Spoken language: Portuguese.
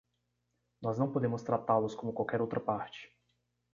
Nós não podemos tratá-los como qualquer outra parte.